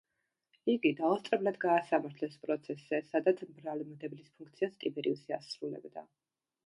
იგი დაუსწრებლად გაასამართლეს პროცესზე, სადაც ბრალმდებლის ფუნქციას ტიბერიუსი ასრულებდა.